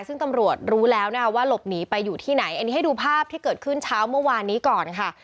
ซึ่งตำรวจรู้แล้วนะคะว่าหลบหนีไปอยู่ที่ไหนอันนี้ให้ดูภาพที่เกิดขึ้นเช้าเมื่อวานนี้ก่อนค่ะ